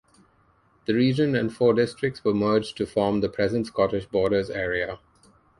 The region and four districts were merged to form the present Scottish Borders area.